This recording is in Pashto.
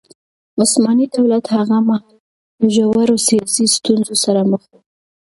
عثماني دولت هغه مهال له ژورو سياسي ستونزو سره مخ و.